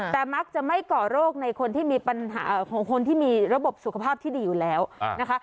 แต่มักจะไม่ก่อโรคในคนที่มีปัญหาของคนที่มีระบบสุขภาพที่ดีอยู่แล้วนะคะ